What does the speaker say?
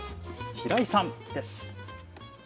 平井さんです。